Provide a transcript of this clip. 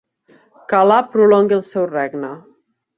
Que Al·là prolongui el seu regne.